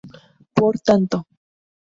Por tanto.